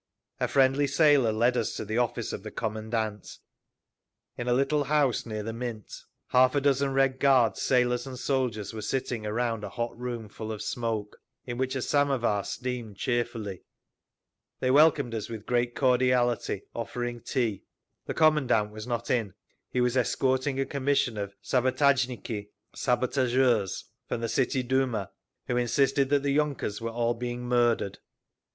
A friendly sailor led us to the office of the commandant, in a little house near the Mint. Half a dozen Red Guards, sailors and soldiers were sitting around a hot room full of smoke, in which a samovar steamed cheerfully. They welcomed us with great cordiality, offering tea. The commandant was not in; he was escorting a commission of "sabotazhniki" (sabotageurs) from the City Duma, who insisted that the yunkers were all being murdered.